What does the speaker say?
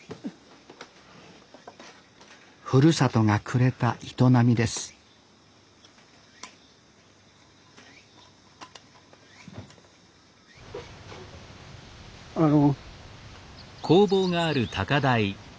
ふるさとがくれた営みですあの。